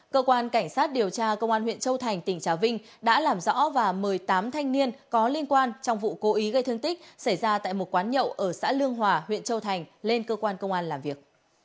cơ quan cảnh sát điều tra công an huyện châu thành tỉnh trà vinh đã làm rõ và mời tám thanh niên có liên quan trong vụ cố ý gây thương tích xảy ra tại một quán nhậu ở xã lương hòa huyện châu thành lên cơ quan công an làm việc